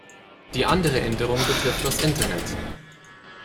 Die andere Änderung betrifft das Internet.